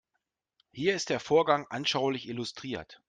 Hier ist der Vorgang anschaulich illustriert.